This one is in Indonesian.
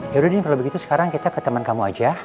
yaudah deh kalau begitu sekarang kita ke temen kamu aja